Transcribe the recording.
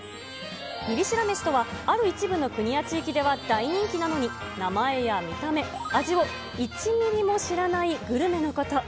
ミリ知ら飯とは、ある一部の国や地域では大人気なのに、名前や見た目、アジを１ミリも知らないグルメのこと。